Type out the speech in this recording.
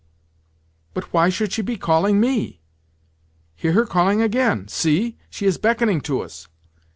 "But why should she be calling me? Hear her calling again! See! She is beckoning to us!"